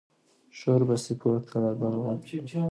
شور به سي پورته له ګل غونډیو